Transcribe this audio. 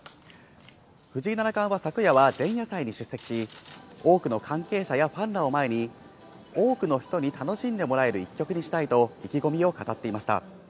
藤井七冠は昨夜は前夜祭に出席し、多くの関係者やファンらを前に多くの人に楽しんでもらえる１局にしたいと意気込みを語っていました。